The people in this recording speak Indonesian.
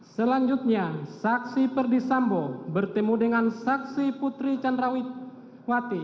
selanjutnya saksi perdisambo bertemu dengan saksi putri candrawati